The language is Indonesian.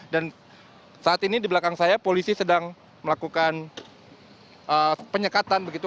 dan saat ini di belakang saya polisi sedang melakukan penyekatan begitu